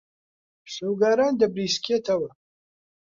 شەوگاران دەبریسکێتەوە.